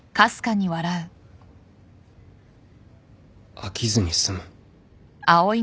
飽きずに済む。